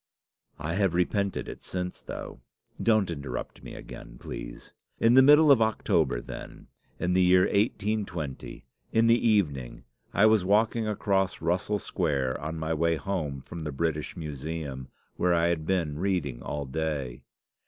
"I have repented it since, though. Don't interrupt me again, please. In the middle of October, then, in the year 1820, in the evening, I was walking across Russell Square, on my way home from the British Museum, where I had been reading all day.